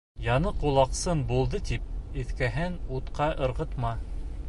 Яңы ҡолаҡсын булды тип, иҫкеһен утҡа ырғытма.